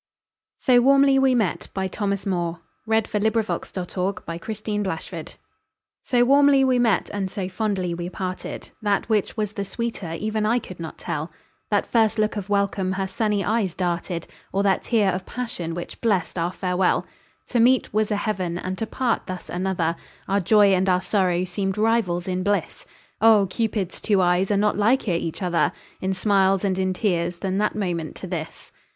SO WARMLY WE MET. (HUNGARIAN AIR.) So warmly we met and so fondly we parted, That which was the sweeter even I could not tell, That first look of welcome her sunny eyes darted, Or that tear of passion, which blest our farewell. To meet was a heaven and to part thus another, Our joy and our sorrow seemed rivals in bliss; Oh! Cupid's two eyes are not liker each other In smiles and in tears than that moment to this.